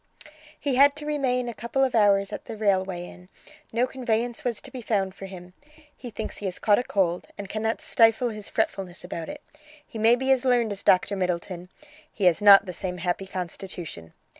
"He had to remain a couple of hours at the Railway Inn; no conveyance was to be found for him. He thinks he has caught a cold, and cannot stifle his fretfulness about it. He may be as learned as Doctor Middleton; he has not the same happy constitution.